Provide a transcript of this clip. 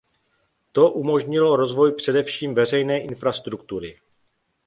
To umožnilo rozvoj především veřejné infrastruktury.